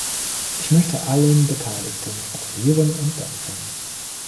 Ich möchte allen Beteiligten gratulieren und danken.